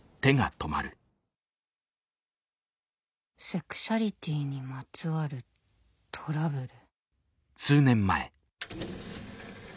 「セクシュアリティにまつわるトラブル」。